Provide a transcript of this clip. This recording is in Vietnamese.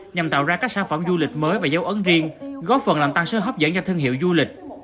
nhằm tạo ra các sản phẩm du lịch mới và dấu ấn riêng góp phần làm tăng sự hấp dẫn cho thương hiệu du lịch